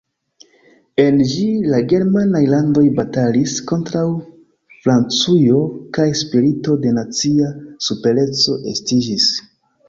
En ĝi, la germanaj landoj batalis kontraŭ Francujo kaj spirito de nacia supereco estiĝis.